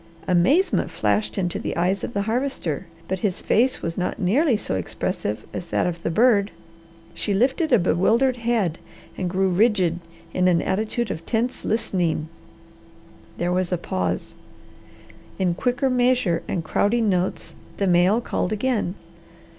Amazement flashed into the eyes of the Harvester, but his face was not nearly so expressive as that of the bird. She lifted a bewildered head and grew rigid in an attitude of tense listening. There was a pause. In quicker measure and crowding notes the male called again.